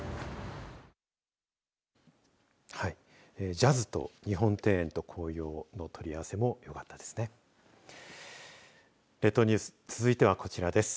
ジャズと日本庭園と紅葉の取り合わせもよかったですね。